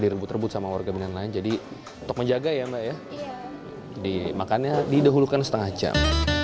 direbut rebut sama warga binaan lain jadi untuk menjaga ya mbak ya dimakannya didahulukan setengah jam